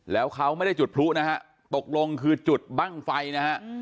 แล้วเขาไม่ได้จุดพลุนะฮะตกลงคือจุดบ้างไฟนะฮะ